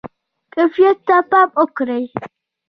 کیفیت ته پام وکړئ